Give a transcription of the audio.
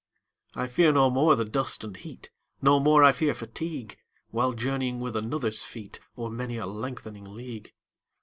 I fear no more the dust and heat, 25 No more I fear fatigue, While journeying with another's feet O'er many a lengthening league.